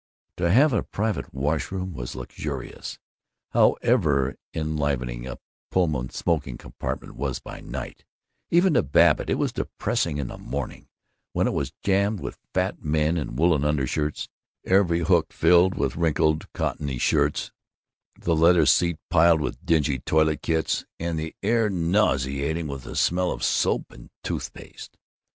To have a private washroom was luxurious. However enlivening a Pullman smoking compartment was by night, even to Babbitt it was depressing in the morning, when it was jammed with fat men in woolen undershirts, every hook filled with wrinkled cottony shirts, the leather seat piled with dingy toilet kits, and the air nauseating with the smell of soap and toothpaste.